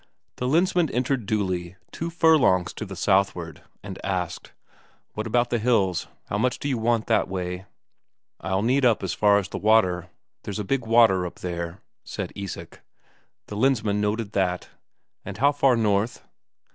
The Lensmand entered duly, two furlongs to the southward, and asked: "What about the hills? How much do you want that way?" "I'll need all up as far as the water. There's a big water up there," said Isak. The Lensmand noted that. "And how far north?"